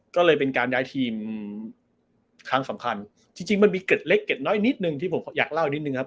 ก็เลยเป็นการย้ายทีมครั้งสำคัญจริงจริงมันมีเกร็ดเล็กเกร็ดน้อยนิดนึงที่ผมอยากเล่านิดนึงครับ